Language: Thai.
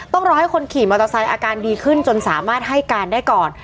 ต้องรอให้คนขี่มอเตอร์ไซค์อาการดีขึ้นจนสามารถให้การได้ก่อน